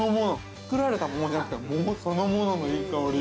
作られた桃じゃなくて、桃そのもののいい香り。